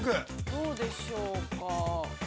◆どうでしょうか。